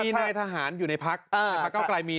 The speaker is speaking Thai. ทหารทหารอยู่ในพักฯพักฯค่อนข้างนิยม